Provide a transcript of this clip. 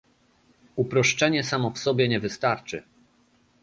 Uproszczenie samo w sobie nie wystarczy